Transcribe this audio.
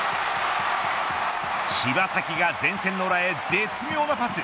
柴崎が前線の裏へ絶妙なパス。